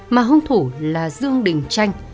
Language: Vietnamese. mà hôn thủ là dương đình tranh